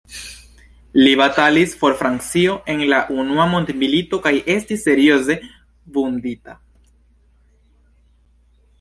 Li batalis por Francio en la Unua Mondmilito kaj estis serioze vundita.